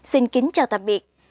xin kính chào tạm biệt